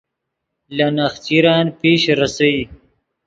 لے نخچرن پیش ریسئے